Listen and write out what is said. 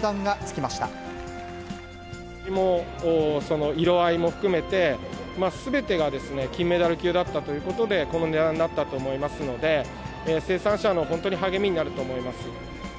味も色合いも含めて、すべてが金メダル級だったということで、この値段になったと思いますので、生産者の本当に励みになると思います。